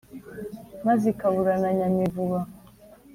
maze ikaburana nyamivuba